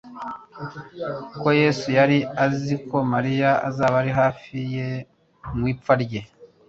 Kuko Yesu yari azi ko Mariya azaba ari hafi ye mu ipfa rye,